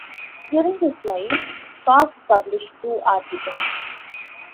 During his life, Cox published two articles.